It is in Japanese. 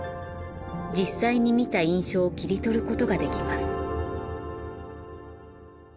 実際に見た印象を切り取ることができます。